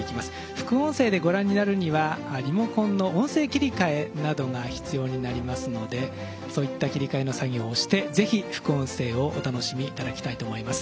副音声でご覧になるにはリモコンの音声切り替えなどが必要になりますのでそういった切り替えの作業をしてぜひ副音声をお楽しみ頂きたいと思います。